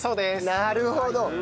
なるほど。